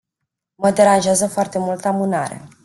Mă deranjează foarte mult amânarea.